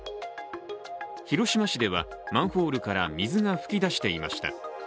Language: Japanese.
広島市では、マンホールから水が噴き出していました。